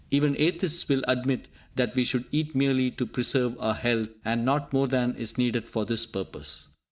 Even atheists will admit that we should eat merely to preserve our health, and not more than is needed for this purpose.